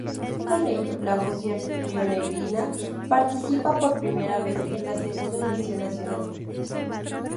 Con ello, la fusión rionegrina participa por primera vez en la segunda división nacional.